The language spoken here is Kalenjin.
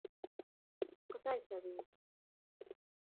kotai sapet